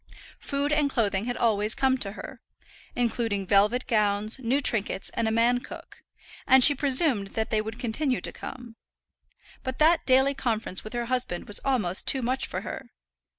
Food and clothing had always come to her, including velvet gowns, new trinkets, and a man cook, and she presumed that they would continue to come. But that daily conference with her husband was almost too much for her.